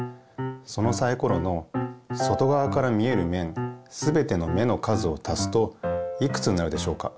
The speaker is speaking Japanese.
そのサイコロの外側から見えるめんすべての目の数をたすといくつになるでしょうか？